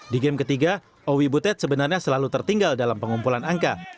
di game ketiga owi butet sebenarnya selalu tertinggal dalam pengumpulan angka